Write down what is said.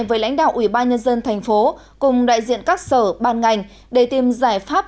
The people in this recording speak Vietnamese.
với lãnh đạo ủy ban nhân dân thành phố cùng đại diện các sở ban ngành để tìm giải pháp